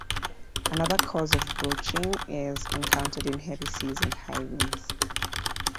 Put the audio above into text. Another cause of broaching is encountered in heavy seas and high winds.